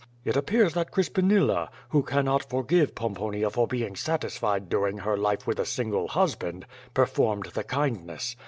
It appears that Crispinilla, who cannot forgive Pomponia for being satis fied during her life with a single husband, performed the kindness.